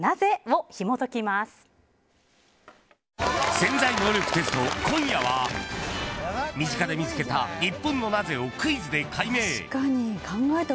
「潜在能力テスト」、今夜は身近で見つけた日本のナゼ？をクイズで解明。